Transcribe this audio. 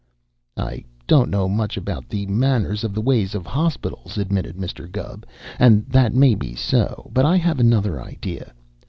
"I don't know much about the manners of the ways of hospitals," admitted Mr. Gubb, "and that may be so, but I have another idea.